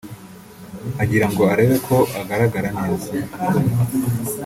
agira ngo arebe ko agaragara neza